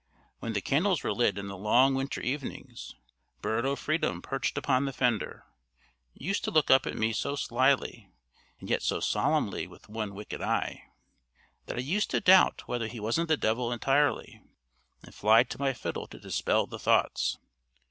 When the candles were lit in the long winter evenings, Bird o' freedom, perched upon the fender, used to look up at me so slyly, and yet so solemnly with one wicked eye, that I used to doubt whether he wasn't the devil entirely, and fly to my fiddle to dispel the thoughts.